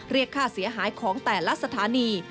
เรียกค่าเสียหายของแต่ละสถานี